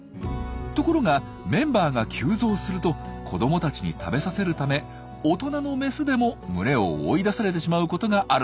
ところがメンバーが急増すると子どもたちに食べさせるため大人のメスでも群れを追い出されてしまうことがあるんです。